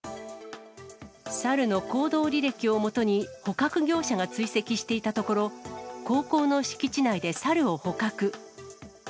サルの行動履歴を基に、捕獲業者が追跡していたところ、高校の敷地内でサルを捕獲。